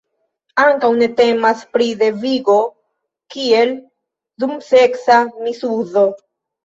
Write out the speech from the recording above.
Ankaŭ ne temas pri devigo, kiel dum seksa misuzo.